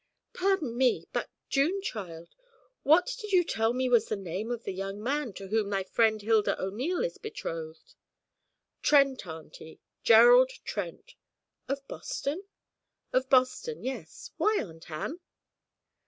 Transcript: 'Pardon me! but, June, child, what did you tell me was the name of the young man to whom thy friend Hilda O'Neil is betrothed?' 'Trent, auntie Gerald Trent.' 'Of Boston?' 'Of Boston; yes. Why, Aunt Ann?'